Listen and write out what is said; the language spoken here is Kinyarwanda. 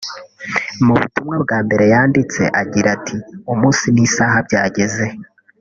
Mu butumwa bwa mbere yanditse agira ati “Umunsi n’isaha byageze